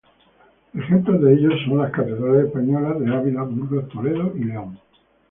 Ejemplos de ello son las catedrales españolas de Ávila, Burgos, Toledo y León.